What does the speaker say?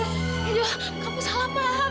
edo kamu salah paham